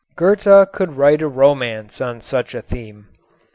Goethe could write a romance on such a theme.